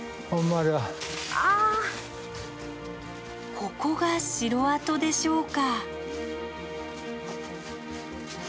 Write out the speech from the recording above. ここが城跡でしょうか。